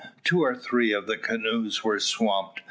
Two or three of the canoes were swamped.